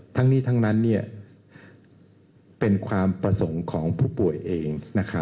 ทั้งนี้ทั้งนั้นเป็นความประสงค์ของผู้ป่วยเอง